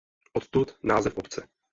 Odtud název obce.